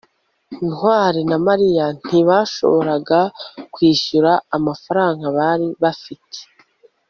ntwali na mariya ntibashoboraga kwishyura amafaranga bari bafite